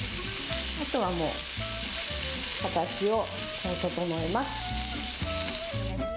あとはもう、形を整えます。